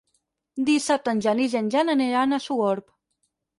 Dissabte en Genís i en Jan aniran a Sogorb.